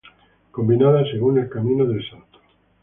Combinadas según el camino del Santo.